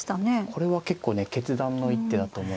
これは結構ね決断の一手だと思います。